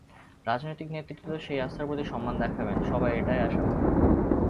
রাজনৈতিক নেতৃত্ব সেই আস্থার প্রতি সম্মান দেখাবেন, সবাই এটাই আশা করেন।